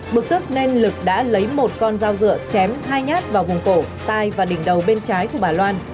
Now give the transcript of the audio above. bực tức nên lực đã lấy một con dao dựa chém hai nhát vào vùng cổ tai và đỉnh đầu bên trái của bà loan